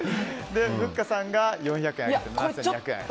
ふっかさんが４００円上げて７２００円。